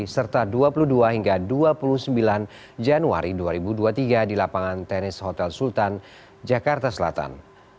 serta dua puluh dua hingga dua puluh sembilan januari dua ribu dua puluh tiga di lapangan tenis hotel sultan jakarta selatan